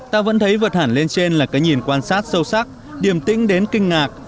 ta vẫn thấy vượt hẳn lên trên là cái nhìn quan sát sâu sắc điềm tĩnh đến kinh ngạc